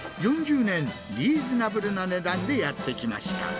４０年、リーズナブルな値段でやってきました。